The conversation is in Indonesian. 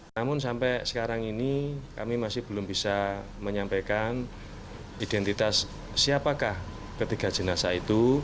namun sampai sekarang ini kami masih belum bisa menyampaikan identitas siapakah ketiga jenazah itu